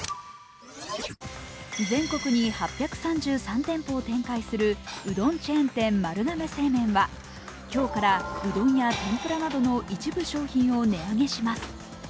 全国の８３３店舗を展開するうどんチェーン店・丸亀製麺は今日からうどんや天ぷらなどの一部商品を値上げします。